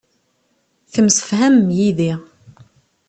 Temsefhamem yid-i.